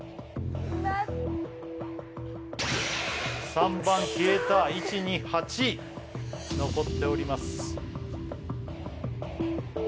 ３番消えた１２８残っております